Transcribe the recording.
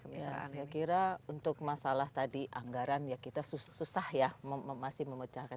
saya kira untuk masalah tadi anggaran ya kita susah ya masih memecahkan